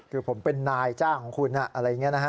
คือผมเป็นนายจ้างของคุณอะไรอย่างนี้นะฮะ